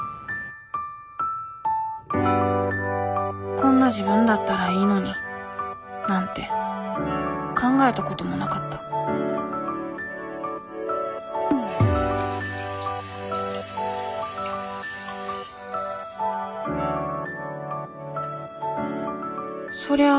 「こんな自分だったらいいのに」なんて考えたこともなかったそりゃあ「ハリー・ポッター」